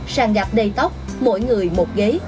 sàn gạp đầy tóc mỗi người một ghế